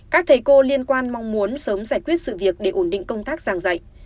các thầy cô liên quan mong muốn sớm giải quyết sự việc để ổn định công tác giảng dạy